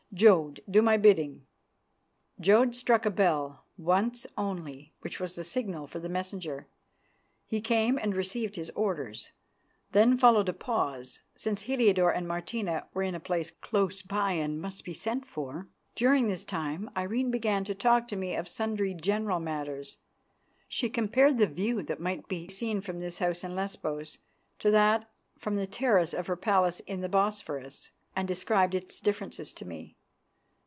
Jodd, do my bidding." Jodd struck a bell, once only, which was the signal for the messenger. He came and received his orders. Then followed a pause, since Heliodore and Martina were in a place close by and must be sent for. During this time Irene began to talk to me of sundry general matters. She compared the view that might be seen from this house in Lesbos to that from the terrace of her palace on the Bosphorus, and described its differences to me.